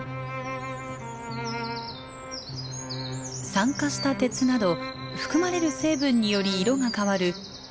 酸化した鉄など含まれる成分により色が変わるチャート。